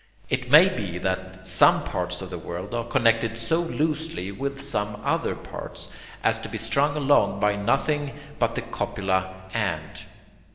It MAY be that some parts of the world are connected so loosely with some other parts as to be strung along by nothing but the copula AND.